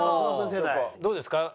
どうですか？